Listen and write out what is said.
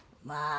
まあ。